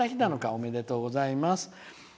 おめでとうございます。